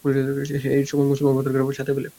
সে-ই এই ছয় মুসলমানকে প্রতারণাপূর্বক ফাঁদে ফেলে।